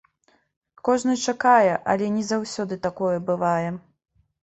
Кожны чакае, але не заўсёды такое бывае.